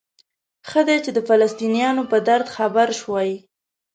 ښه ده چې د فلسطینیانو په درد خبر شوئ.